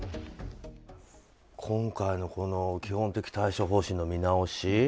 今回の基本的対処方針の見直し